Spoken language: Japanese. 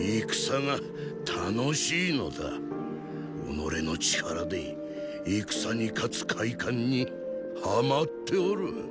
己の力で戦に勝つ快感にはまっておる。